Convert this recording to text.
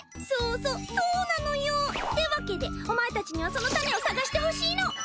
そうそそうなのよ。ってわけでお前たちにはその種を探してほしいの。